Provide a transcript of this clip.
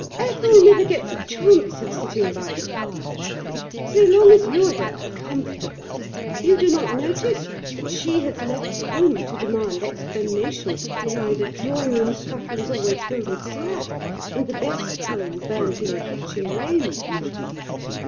Ethel never gets a chance of sitting by the fire. So long as you are there, comfortable, you do not notice that she has left the room to demand explanation why the drawing room scuttle is always filled with slack, and the best coal burnt in the kitchen range.